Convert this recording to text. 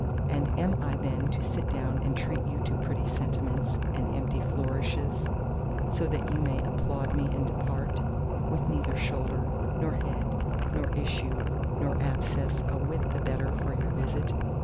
And am I then to sit down and treat you to pretty sentiments and empty flourishes, so that you may applaud me and depart, with neither shoulder, nor head, nor issue, nor abscess a whit the better for your visit?